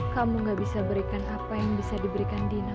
kamu gak bisa berikan apa yang bisa diberikan dina